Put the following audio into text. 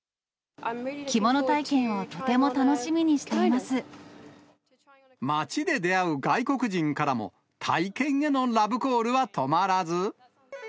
着物体験をとても楽しみにし街で出会う外国人からも、体験へのラブコールは止まらず。